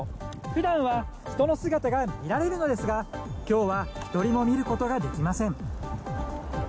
普段は人の姿が見られるのですが今日は１人も見ることができません。